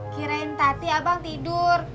kirain tadi abang tidur